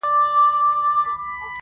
كنډواله كي نه هوسۍ نه يې درك وو؛